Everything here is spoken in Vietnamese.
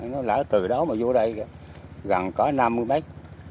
nó lỡ từ đó mà vô đây gần có năm mấy mết